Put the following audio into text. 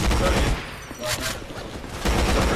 Paul Episcopal y fue cremado de manera privada.